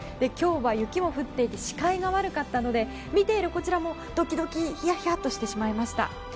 今日は雪も降っていて視界が悪かったので見ているこちらもドキドキヒヤヒヤとしてしまいました。